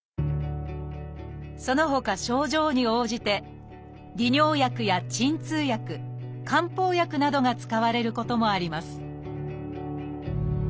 そのほか症状に応じて利尿薬や鎮痛薬漢方薬などが使われることもあります